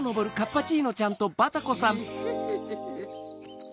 グフフフ。